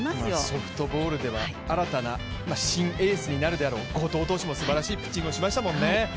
ソフトボールでは新たな新エースになるだろう後藤投手もすばらしい活躍をしましたもんね。